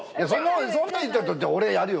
そんなん言ったらじゃあ俺やるよ